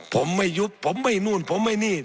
ผมไม่ยุบผมไม่นู่นผมไม่นี่